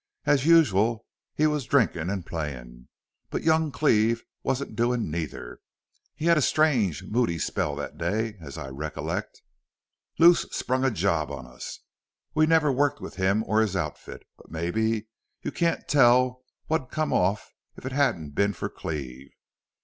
As usual, we was drinkin' an' playin'. But young Cleve wasn't doin' neither. He had a strange, moody spell thet day, as I recollect. Luce sprung a job on us. We never worked with him or his outfit, but mebbe you can't tell what'd come off if it hadn't been for Cleve.